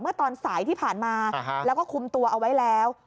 เมื่อตอนสายที่ผ่านมาแล้วก็คุมตัวเอาไว้แล้ว